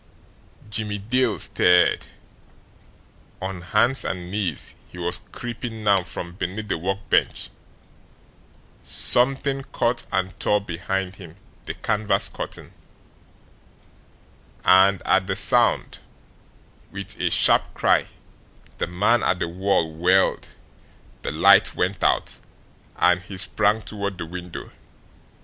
Jimmie Dale stirred. On hands and knees he was creeping now from beneath the workbench. Something caught and tore behind him the canvas curtain. And at the sound, with a sharp cry, the man at the wall whirled, the light went out, and he sprang toward the window.